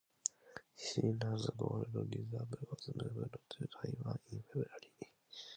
China's gold reserve was moved to Taiwan in February.